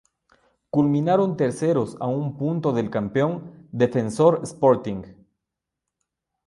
Culminaron terceros a un punto del campeón Defensor Sporting.